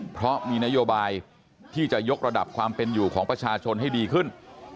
เพราะมีนโยบายที่จะยกระดับความเป็นอยู่ของประชาชนให้ดีขึ้น